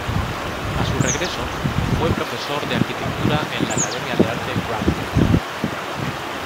A su regreso fue profesor de arquitectura en la Academia de Arte Cranbrook.